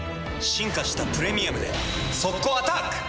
進化した「プレミアム」で速攻アタック！